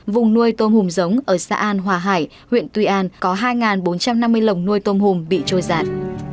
vùng nuôi tôm hùm giống ở xã an hòa hải huyện tuy an có hai bốn trăm năm mươi lồng nuôi tôm hùm bị trôi giạt